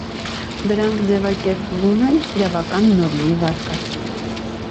Դրանք ձևակերպվում են իրավական նորմի վարկածում։